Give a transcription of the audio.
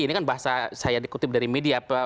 ini kan bahasa saya dikutip dari media